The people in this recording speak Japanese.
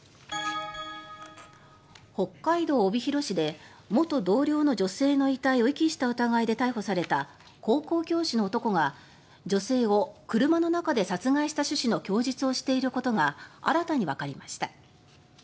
北海道帯広市で元同僚の女性の遺体を遺棄した疑いで逮捕された高校教師の男が女性を車の中で殺害した趣旨の供述をしていることが新たにわかりました。